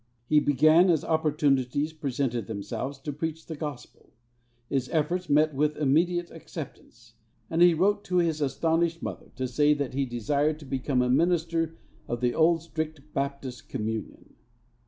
He began, as opportunities presented themselves, to preach the gospel. His efforts met with immediate acceptance, and he wrote to his astonished mother to say that he desired to become a minister of the old Strict Baptist Communion!